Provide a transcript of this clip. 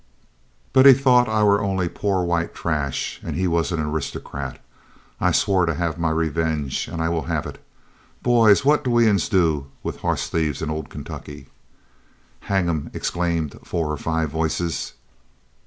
But he thought I war only po' white trash, while he is an aristocrat. I swore to hev my revenge, an' I will hev it. Boys, what do we uns do with hoss thieves in ole Kentuck?" "Hang 'em," exclaimed four or five voices.